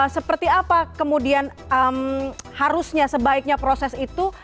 seperti apa kemudian harusnya sebaiknya proses itu